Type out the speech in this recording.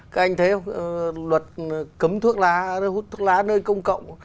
các anh thấy luật cấm thuốc lá hút thuốc lá nơi công cộng